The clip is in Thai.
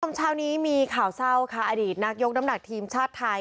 เช้านี้มีข่าวเศร้าค่ะอดีตนักยกน้ำหนักทีมชาติไทย